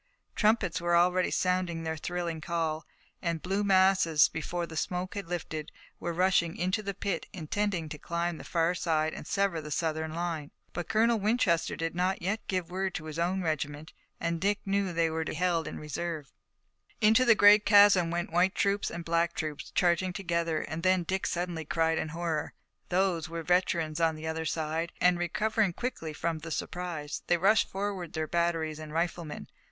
Trumpets were already sounding their thrilling call, and blue masses, before the smoke had lifted, were rushing into the pit, intending to climb the far side and sever the Southern line. But Colonel Winchester did not yet give the word to his own regiment, and Dick knew that they were to be held in reserve. Into the great chasm went white troops and black troops, charging together, and then Dick suddenly cried in horror. Those were veterans on the other side, and, recovering quickly from the surprise, they rushed forward their batteries and riflemen.